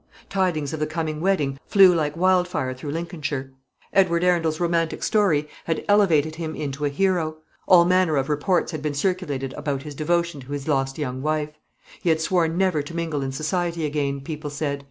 Tidings of the coming wedding flew like wildfire through Lincolnshire. Edward Arundel's romantic story had elevated him into a hero; all manner of reports had been circulated about his devotion to his lost young wife. He had sworn never to mingle in society again, people said.